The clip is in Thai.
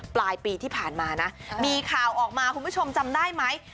ปลายปีที่ผ่านมานะมีข่าวออกมาคุณผู้ชมจำได้ไหม